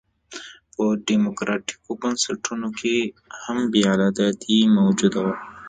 په ډیموکراټیکو بنسټونو کې هم بې عدالتي حاکمه وه.